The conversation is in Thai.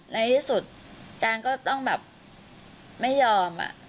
ในที่สุดการก็ต้องแบบไม่ยอม